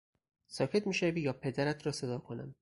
ساکت میشوی یا پدرت را صدا کنم!